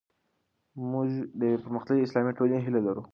موږ د یوې پرمختللې اسلامي ټولنې هیله لرو.